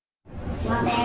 すみません。